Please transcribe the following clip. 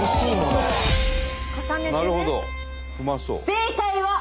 正解は。